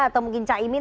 atau mungkin caimin